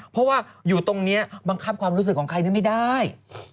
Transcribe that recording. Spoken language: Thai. เพราะว่าอยู่ตรงนี้บังคับความรู้สึกของใครไม่ได้